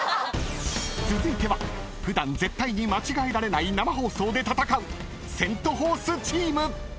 ［続いては普段絶対に間違えられない生放送で闘うセント・フォースチーム］